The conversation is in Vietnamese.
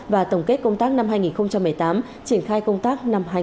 và tổng kết công tác năm hai nghìn một mươi tám triển khai công tác năm hai nghìn hai mươi